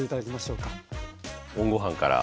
ＯＮごはんから。